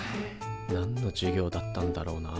なんの授業だったんだろうな。